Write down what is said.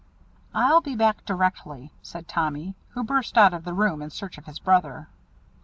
"I'll be back directly," said Tommy, who burst out of the room in search of his brother.